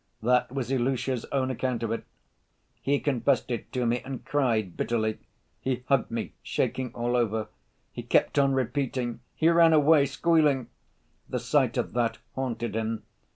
That was Ilusha's own account of it. He confessed it to me, and cried bitterly. He hugged me, shaking all over. He kept on repeating 'He ran away squealing': the sight of that haunted him.